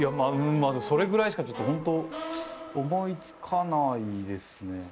あそれぐらいしかちょっと本当思いつかないですね。